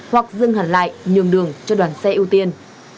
hoặc dừng hẳn lại nhường đường cho đoàn xe ưu tiên